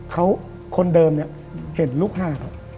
เขาคนเดิมเนี้ยเห็นลูกหากอ่ะ